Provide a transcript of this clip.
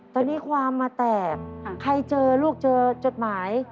ตอนนี้ความมาแตกใครเจอลูกเจอจดหมาย